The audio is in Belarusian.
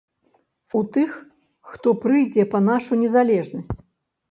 У тых, хто прыйдзе па нашу незалежнасць?